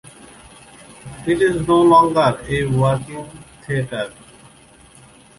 It is no longer a working theater.